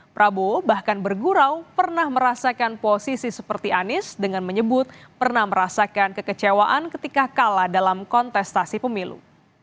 prabowo bahkan bergurau pernah merasakan posisi seperti anies dengan menyebut pernah merasakan kekecewaan ketika kalah dalam kontestasi pemilu